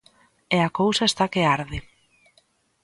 E a cousa está que arde.